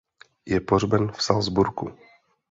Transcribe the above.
Je pohřben v Salzburgu.